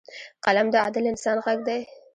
قلم د عادل انسان غږ دی